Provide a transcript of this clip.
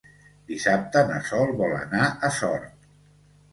Dissabte na Sol vol anar a Sort.